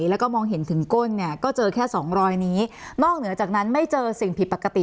แล้วก็มองเห็นถึงก้นเนี่ยก็เจอแค่สองรอยนี้นอกเหนือจากนั้นไม่เจอสิ่งผิดปกติ